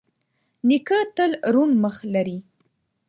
نیکه تل روڼ مخ لري.